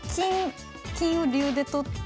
金を竜で取って。